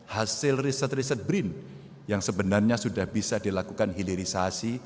hasil riset riset brin yang sebenarnya sudah bisa dilakukan hilirisasi